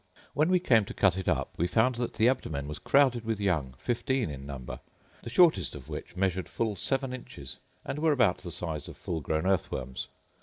When we came to cut it up, we found that the abdomen was crowded with young, fifteen in number; the shortest of which measured full seven inches, and were about the size of full grown earthworms.